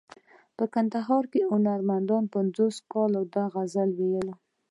په کندهار کې هنرمندانو پنځوس کاله دا غزل ویلی.